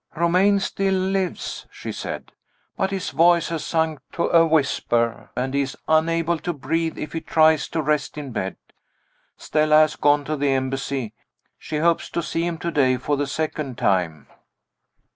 "Romayne still lives," she said. "But his voice has sunk to a whisper, and he is unable to breathe if he tries to rest in bed. Stella has gone to the Embassy; she hopes to see him to day for the second time."